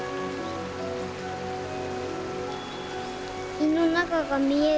胃の中が見える。